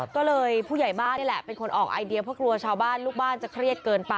ก็เลยผู้ใหญ่บ้านนี่แหละเป็นคนออกไอเดียเพราะกลัวชาวบ้านลูกบ้านจะเครียดเกินไป